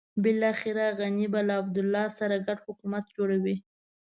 بلاخره غني به له عبدالله سره ګډ حکومت جوړوي.